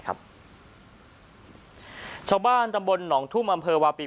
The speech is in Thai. ชาวบ้านตำบลหนองทุ่มอำเภอวาปี